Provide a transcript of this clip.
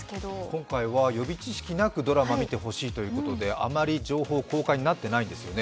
今回は予備知識なくドラマを見てほしいということであまり情報が公開になってないんですね。